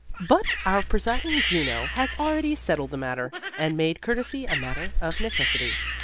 But our presiding Juno has already settled the matter, and made courtesy a matter of necessity.